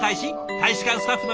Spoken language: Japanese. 大使館スタッフの皆さん